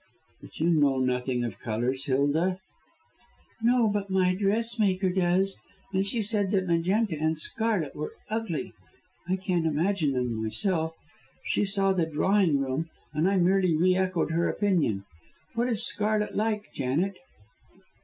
"But you know nothing of colours, Hilda!" "No, but my dressmaker does. And she said that magenta and scarlet were ugly. I can't imagine them myself. She saw the drawing room, and I merely re echoed her opinion. What is scarlet like, Janet?"